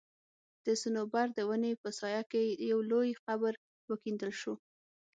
د صنوبر د وني په سايه کي يو لوى قبر وکيندل سو